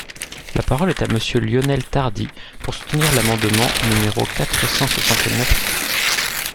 La parole est à Monsieur Lionel Tardy, pour soutenir l’amendement numéro quatre cent soixante-neuf.